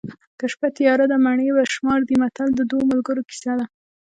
که شپه تیاره ده مڼې په شمار دي متل د دوو ملګرو کیسه ده